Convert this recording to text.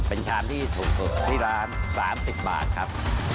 เป็นชามที่ถูกสุดที่ร้าน๓๐บาทครับ